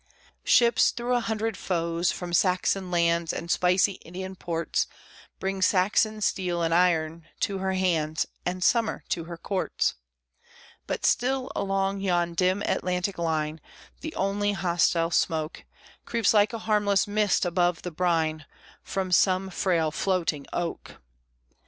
Ships, through a hundred foes, from Saxon lands And spicy Indian ports, Bring Saxon steel and iron to her hands, And summer to her courts. But still, along yon dim Atlantic line, The only hostile smoke Creeps like a harmless mist above the brine, From some frail floating oak.